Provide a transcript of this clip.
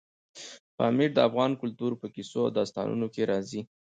پامیر د افغان کلتور په کیسو او داستانونو کې راځي.